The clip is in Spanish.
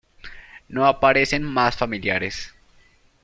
No aparecen más familiares.